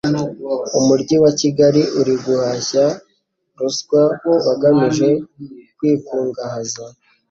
umuryi wa Kigali uri guhashya ruswa kubagamije kwikungahaza